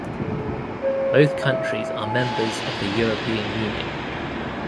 Both countries are members of the European Union.